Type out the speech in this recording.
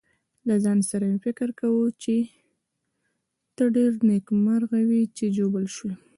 له ځان سره مې فکر کاوه چې ته ډېر نېکمرغه وې چې ژوبل شوې.